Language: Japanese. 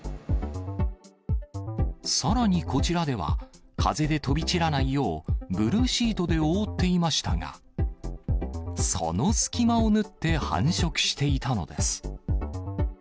さらにこちらでは、風で飛び散らないよう、ブルーシートで覆っていましたが、その隙間を縫って繁殖していたのです。